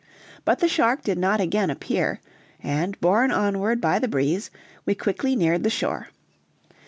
But the shark did not again appear, and, borne onward by the breeze, we quickly neared the shore.